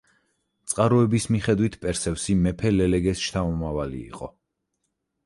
წყაროების მიხედვით პერსევსი მეფე ლელეგეს შთამომავალი იყო.